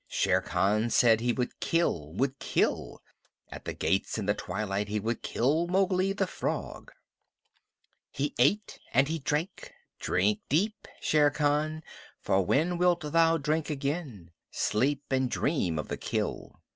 Shere Khan said he would kill would kill! At the gates in the twilight he would kill Mowgli, the Frog! He ate and he drank. Drink deep, Shere Khan, for when wilt thou drink again? Sleep and dream of the kill.